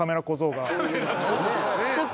そっか